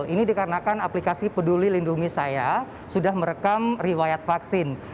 ini dikarenakan aplikasi peduli lindungi saya sudah merekam riwayat vaksin